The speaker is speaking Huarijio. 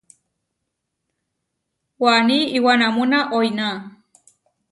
Waní iʼwanámuna oʼiná.